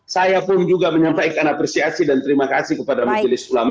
saya pun juga menyampaikan apresiasi dan terima kasih kepada majelis ulama